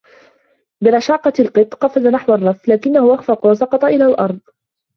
برشاقة القطّ، قفز نحو الرّف لكنّه أخفق و سقط إلى الأرض.